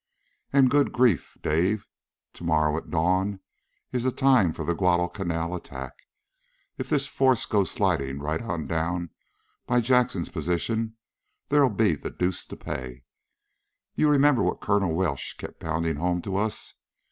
And, good grief, Dave! Tomorrow at dawn is the time for the Guadalcanal attack. If this force goes sliding right on down by Jackson's position, there'll be the deuce to pay. You'll remember what Colonel Welsh kept pounding home to us?